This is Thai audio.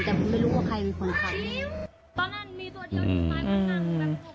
แต่ไม่รู้ว่าใครมีผลของมัน